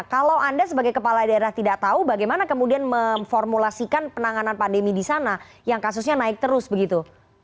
kalau anda sebagai kepala daerah tidak tahu bagaimana kemudian memformulasikan penanganan pandemi di sana yang kasusnya naik terus begitu